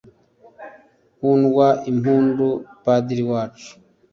hundwa impundu padiri wacu